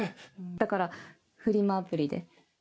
だからフリマアプリで。